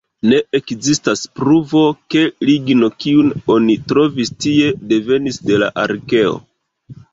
Ne ekzistas pruvo, ke ligno, kiun oni trovis tie, devenis de la arkeo.